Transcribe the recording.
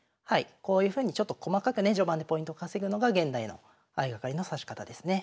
こういうふうにちょっと細かくね序盤でポイント稼ぐのが現代の相掛かりの指し方ですね。